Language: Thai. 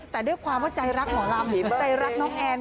แต่ด้วยความว่าใจรักหมอลำใจรักน้องแอน